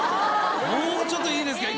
もうちょっといいですか？